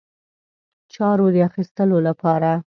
چارو د اخیستلو لپاره.